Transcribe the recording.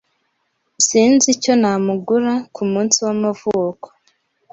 Sinzi icyo namugura kumunsi w'amavuko.